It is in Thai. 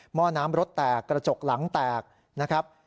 ห้อน้ำรถแตกกระจกหลังแตกนะครับ